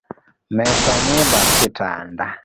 Mesa nie bath kitanda